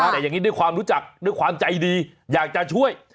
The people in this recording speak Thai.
แต่อย่างนี้ด้วยความรู้จักด้วยความใจดีอยากจะช่วย